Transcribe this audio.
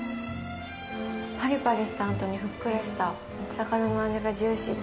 パリパリしたあとにふっくらしたお魚の味がジューシー。